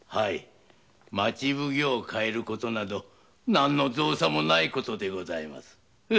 町奉行を替えることなど何の造作もないことでございますよ。